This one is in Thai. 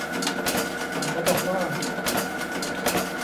แต่ขอบอกว่า